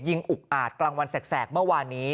อุกอาจกลางวันแสกเมื่อวานนี้